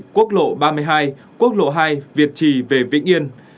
quốc lộ ba mươi hai quốc lộ hai việt trì về vĩnh yên